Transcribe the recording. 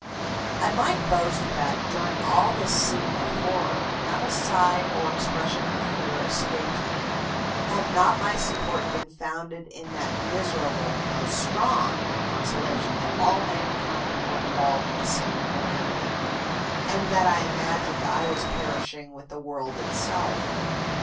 "I might boast that, during all this scene of horror, not a sigh or expression of fear escaped me, had not my support been founded in that miserable, though strong, consolation that all mankind were involved in the same calamity, and that I imagined I was perishing with the world itself!